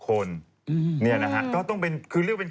คือเรียกว่าเป็นข่าวช็อคโลกเหมือนกันนะ